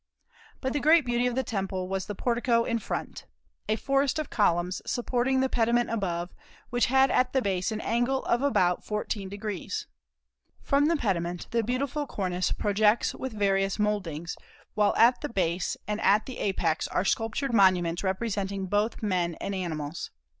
But the great beauty of the temple was the portico in front, a forest of columns, supporting the pediment above, which had at the base an angle of about fourteen degrees. From the pediment the beautiful cornice projects with various mouldings, while at the base and at the apex are sculptured monuments representing both men and animals.